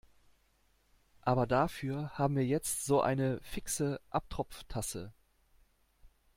Aber dafür haben wir jetzt so eine fixe Abtropftasse.